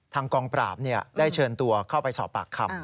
กองปราบได้เชิญตัวเข้าไปสอบปากคำ